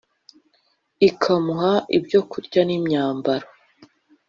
ikamuha ibyokurya n’imyambaro.